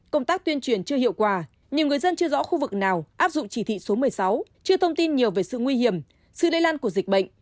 công tác tuyên truyền chưa hiệu quả nhiều người dân chưa rõ khu vực nào áp dụng chỉ thị số một mươi sáu chưa thông tin nhiều về sự nguy hiểm sự lây lan của dịch bệnh